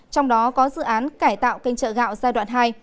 trong đó có dự án cải tạo kênh chợ gạo giai đoạn hai